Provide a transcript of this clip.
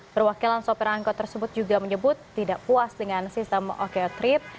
perwakilan sopir angkot tersebut juga menyebut tidak puas dengan sistem oko trip